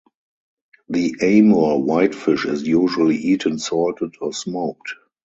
The Amur whitefish is usually eaten salted or smoked.